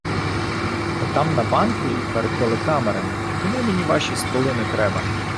Отам на Банковій перед телекамерами, тому мені Ваші столи нетреба.